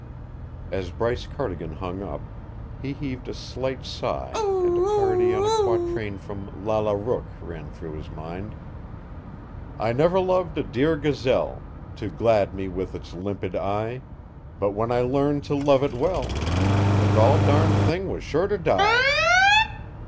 As Bryce Cardigan hung up, he heaved a slight sigh, and a parody on a quatrain from "Lalla Rookh" ran through his mind: I never loved a dear gazelle, To glad me with its limpid eye, But when I learned to love it well, The gol darned thing was sure to die!